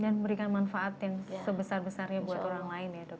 dan memberikan manfaat yang sebesar besarnya buat orang lain ya dok ya